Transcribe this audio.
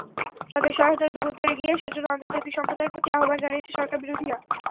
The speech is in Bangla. তাদের সহায়তায় দ্রুত এগিয়ে আসার জন্য আন্তর্জাতিক সম্প্রদায়ের প্রতি আহ্বান জানিয়েছে সরকারবিরোধীরা।